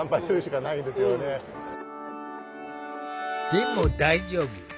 でも大丈夫！